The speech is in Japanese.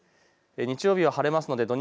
日曜日は晴れるので土日